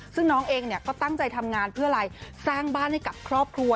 ซึ่งน้องเองก็ตั้งใจทำงานเพื่ออะไรสร้างบ้านให้กับครอบครัว